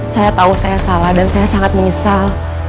saya tahu saya salah dan saya sangat menyesal